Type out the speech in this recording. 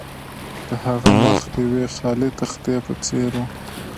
د هغه مخ د یوې خالي تختې په څیر و